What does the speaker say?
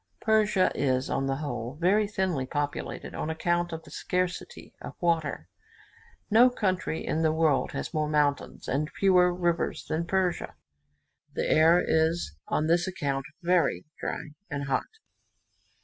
Persia is, on the whole, very thinly populated, on account of the scarcity of water. No country in the world has more mountains, and fewer rivers, than Persia. The air is, on this account, very dry and hot.